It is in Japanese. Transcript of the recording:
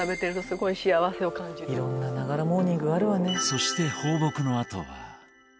そして、放牧のあとは。